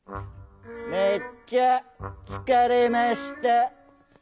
「めっちゃつかれました」。